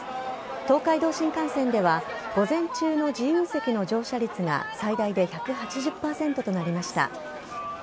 東海道新幹線では午前中の自由席の乗車率が最大で１８０％となりました。